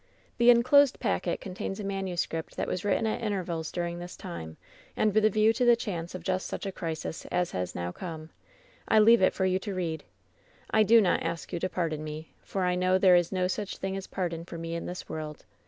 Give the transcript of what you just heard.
"The inclosed packet contains a manuscript that was written at intervals during this time, and with a view to the chance of just such a crisis as has now come. I leave it for you to read. I do not ask you to pardon me, for I know there is no such thing as pardon for me in this world.